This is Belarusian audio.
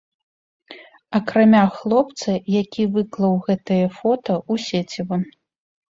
Акрамя хлопца, які выклаў гэтае фота ў сеціва.